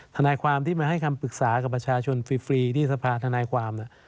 ทนายความที่มาให้คำปรึกษากับประชาชนฟรีที่สภาธนายความ